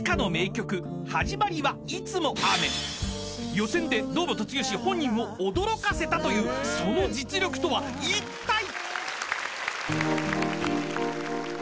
［予選で堂本剛本人を驚かせたというその実力とはいったい］